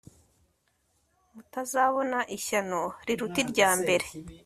mutazabona ishyano riruta irya mbere